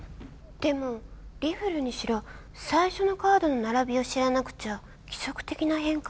でもリフルにしろ最初のカードの並びを知らなくちゃ規則的な変化は読めないはず。